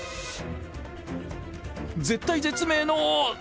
絶体絶命の。